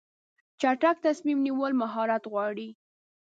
چټک تصمیم نیول مهارت غواړي.